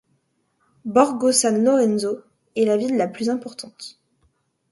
Borgo San Lorenzo en est la ville la plus importante.